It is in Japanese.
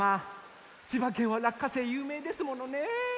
ちばけんはらっかせいゆうめいですものね。